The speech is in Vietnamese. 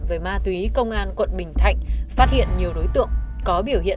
về ma túy công an quận bình thạnh phát hiện nhiều đối tượng có biểu hiện